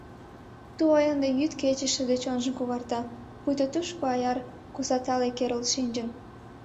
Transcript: Ту ой ынде йӱд-кече шыде чонжым когарта, пуйто тушко аяр косатале керылт шинчын.